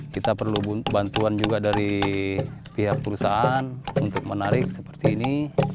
kita perlu bantuan juga dari pihak perusahaan untuk menarik seperti ini